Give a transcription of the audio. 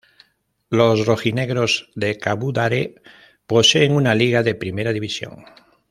Los "rojinegros" de Cabudare poseen una Liga de Primera división.